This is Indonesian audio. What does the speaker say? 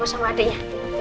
pokok sama adeknya